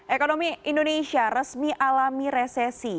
ekonomi indonesia resmi alami resesi